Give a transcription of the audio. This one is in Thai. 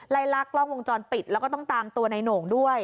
ลากกล้องวงจรปิดแล้วก็ต้องตามตัวในโหน่งด้วย